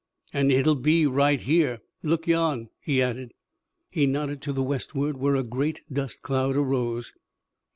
"An' hit'll be right here. Look yan!" he added. He nodded to the westward, where a great dust cloud arose.